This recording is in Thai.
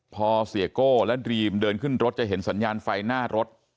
พอเสียโก้และดรีมเดินขึ้นรถจะเห็นสัญญาณไฟหน้ารถ